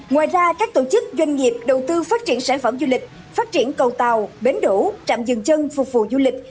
ngoài ra các tổ chức doanh nghiệp đầu tư phát triển sản phẩm du lịch phát triển cầu tàu bến đổ trạm dừng chân phục vụ du lịch